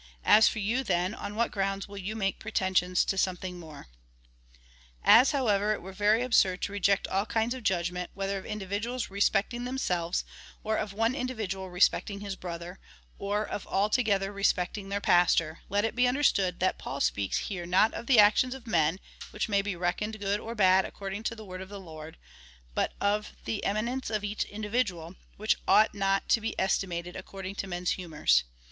As for you, then, on what ground will you make pretensions to something more V As, however, it were very absurd to reject all kinds of judgment, whether of individuals respecting themselves, or of one individual respecting his brother, or of all together respecting their pastor, let it be understood that Paul speaks here not of the actions of men, which may be reckoned good or bad according to the word of the Lord, but of the emi nence of each individual, which ought not to be estimated according to men's humours.